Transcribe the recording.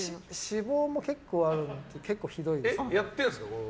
脂肪も結構あるので結構ひどいです。